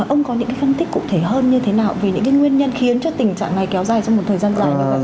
ông có những cái phân tích cụ thể hơn như thế nào về những cái nguyên nhân khiến cho tình trạng này kéo dài trong một thời gian dài như thế nào